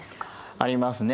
ありますね。